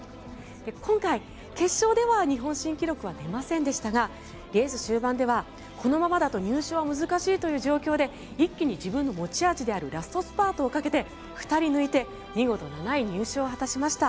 今回、決勝では日本新記録は出ませんでしたがレース終盤ではこのままだと入賞は難しいという状況で一気に自分の持ち味であるラストスパートをかけて２人抜いて見事７位入賞を果たしました。